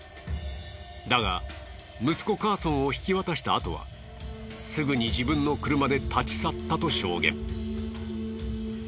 だが息子カーソンを引き渡したあとはすぐに自分の車で立ち去ったと証言。